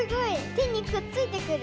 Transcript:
てにくっついてくる。